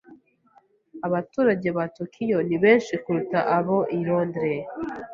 Abaturage ba Tokiyo ni benshi kuruta abo i Londres.